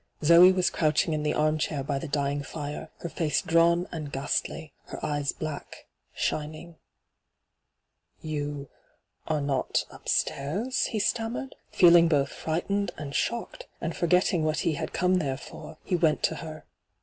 Zoe was crouching in the armchair by the dying Are, her &ce drawn and ghastly, her eyes black, shining. ' You — are not — upstairs V he stammered, feeling both frightened and shocked ; and, forgetting what he had come there for, he went to her.